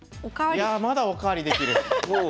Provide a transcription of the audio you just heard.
いやまだお代わりできる。